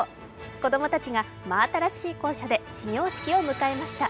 子供たちが真新しい校舎で始業式を迎えました。